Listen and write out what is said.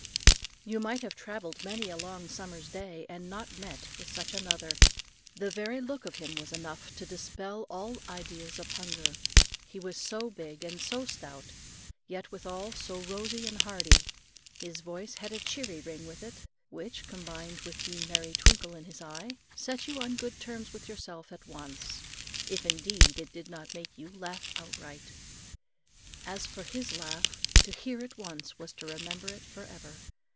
You might have travelled many a long summer's day and not met with such another. The very look of him was enough to dispel all ideas of hunger: he was so big and so stout, yet withal so rosy and hardy. His voice had a cheery ring with it, which, combined with the merry twinkle in his eye, set you on good terms with yourself at once, if indeed it did not make you laugh outright. As for his laugh, to hear it once was to remember it for ever.